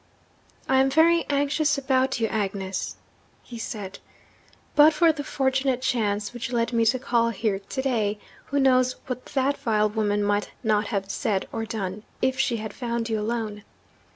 'I am very anxious about you, Agnes,' he said. 'But for the fortunate chance which led me to call here to day who knows what that vile woman might not have said or done, if she had found you alone?